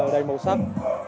đầy màu sắc